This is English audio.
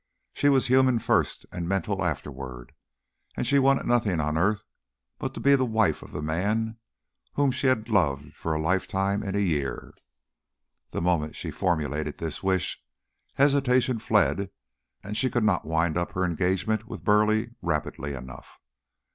She was human first and mental afterward; and she wanted nothing on earth but to be the wife of the man whom she had loved for a lifetime in a year. The moment she formulated this wish, hesitation fled and she could not wind up her engagement with Burleigh rapidly enough.